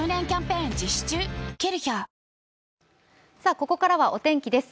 ここからはお天気です。